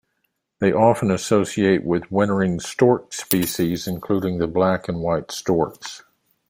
They often associate with wintering stork species including the Black and White Storks.